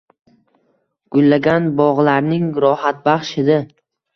Gullagan bog‘larning rohatbaxsh hidi